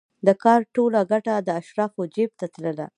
د کار ټوله ګټه د اشرافو جېب ته تلله